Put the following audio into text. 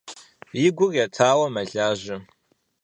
И гур етауэ мэлажьэ.